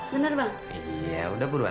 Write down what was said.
bener banget ya udah buruan